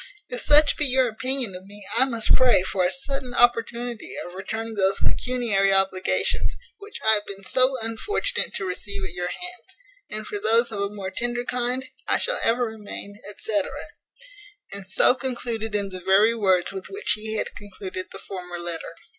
If such be your opinion of me, I must pray for a sudden opportunity of returning those pecuniary obligations, which I have been so unfortunate to receive at your hands; and for those of a more tender kind, I shall ever remain, &c." And so concluded in the very words with which he had concluded the former letter.